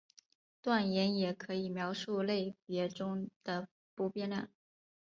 断言也可以描述类别中的不变量。